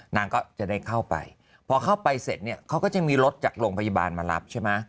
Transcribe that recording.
นางก็จะได้เข้าไปพอเข้าไปเสร็จเนี่ยเขาก็จะมีรถจากโรงพยาบาลมารับใช่ไหม